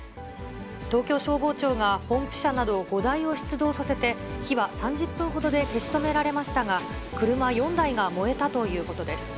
東京消防庁がポンプ車など５台を出動させて、火は３０分ほどで消し止められましたが、車４台が燃えたということです。